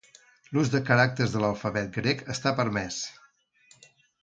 L'ús de caràcters de l'alfabet grec està permès.